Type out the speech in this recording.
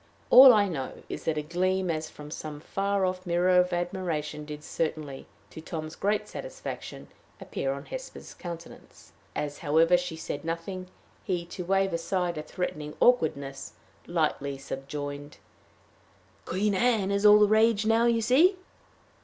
All I know is that a gleam as from some far off mirror of admiration did certainly, to Tom's great satisfaction, appear on Hesper's countenance. As, however, she said nothing, he, to waive aside a threatening awkwardness, lightly subjoined: "Queen Anne is all the rage now, you see."